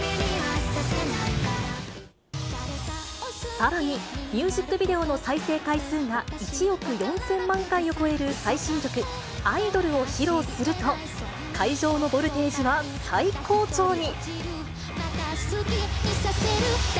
さらに、ミュージックビデオの再生回数が１億４０００万回を超える最新曲、アイドルを披露すると、会場のボルテージは最高潮に。